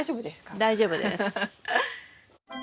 大丈夫です。